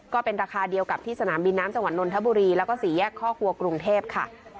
ก็เป็นราคาเดียวกับที่สนามบินน้ำจังหวัดนนทบุรีแล้วก็สี่แยกข้อครัวกรุงเทพค่ะ